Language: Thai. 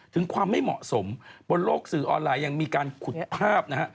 ถึงความไม่เหมาะสมบนโลกสื่อออนไลน์ยังมีการขุดภาพนะฮะ